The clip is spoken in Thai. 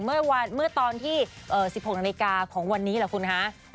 เมื่อตอนที่๑๖นาฬิกาของวันนี้เหรอคุณคะ